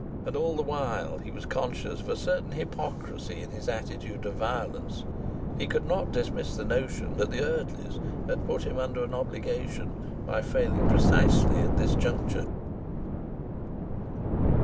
And all the while he was conscious of a certain hypocrisy in his attitude of violence; he could not dismiss the notion that the Eardleys had put him under an obligation by failing precisely at this juncture.